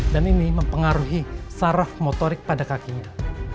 dan ini mempengaruhi saraf motorik pada kakinya